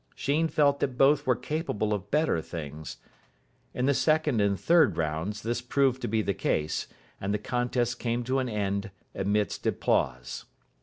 Sheen felt that both were capable of better things. In the second and third rounds this proved to be the case and the contest came to an end amidst applause.